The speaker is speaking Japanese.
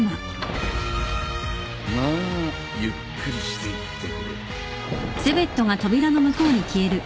まあゆっくりしていってくれ。